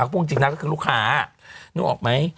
พูดจริงนะก็คือลูกค้านึกออกไหม